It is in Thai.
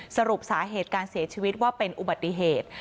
สรุปสาเหตุการเสียชีวิตว่าเป็นอุบัติเหตุ